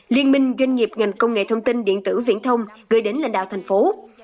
liên minh doanh nghiệp ngành công nghệ thông tin điện tử viễn thông gửi đến lãnh đạo thành phố